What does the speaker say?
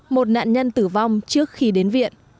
một nạn nhân tử vong trước khi đến viện